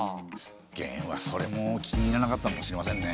元はそれも気に入らなかったのかもしれませんね。